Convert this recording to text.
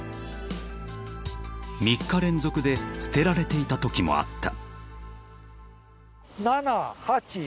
［３日連続で捨てられていたときもあった］